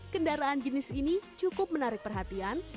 kendaraan jenis ini cukup menarik perhatian